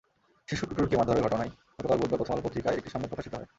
শিশু টুটুলকে মারধরের ঘটনায় গতকাল বুধবার প্রথম আলো পত্রিকায় একটি সংবাদ প্রকাশিত হয়।